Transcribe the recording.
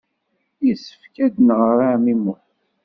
Yessefk ad as-nɣer i ɛemmi Muḥ?